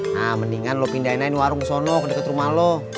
nah mendingan lo pindahin aja warung sana deket rumah lu